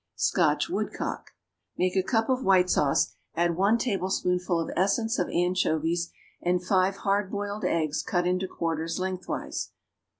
=Scotch Woodcock.= Make a cup of white sauce; add one tablespoonful of essence of anchovies and five hard boiled eggs cut into quarters lengthwise.